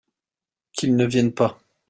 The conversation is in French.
Qu'il ne vienne pas.